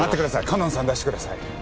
かのんさん出してください。